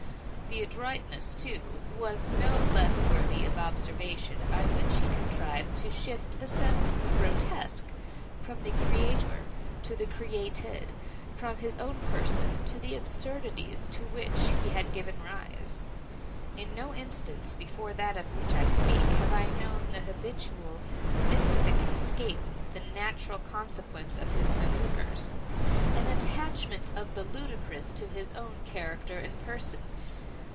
The adroitness, too, was no less worthy of observation by which he contrived to shift the sense of the grotesque from the creator to the created—from his own person to the absurdities to which he had given rise. In no instance before that of which I speak, have I known the habitual mystific escape the natural consequence of his manoevres—an attachment of the ludicrous to his own character and person.